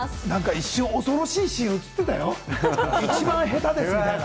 一瞬恐ろしいシーンが映っていたよ、一番下手ですみたいな。